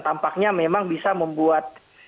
tampaknya memang bisa membuat